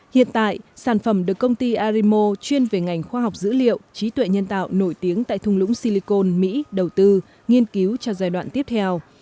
hiện tại sản phẩm được công ty arimo chuyên về ngành khoa học dữ liệu trí tuệ nhân tạo nổi tiếng tại thung lũng silicon mỹ đầu tư nghiên cứu cho giai đoạn tiếp theo